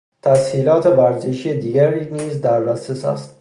تسهیلات ورزشی دیگری نیز در دسترس است.